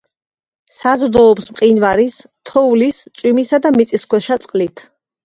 საზრდოობს მყინვარის, თოვლის, წვიმისა და მიწისქვეშა წყლით.